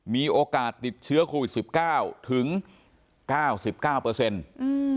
มีโอกาสติดเชื้อโควิดสิบเก้าถึงเก้าสิบเก้าเปอร์เซ็นต์อืม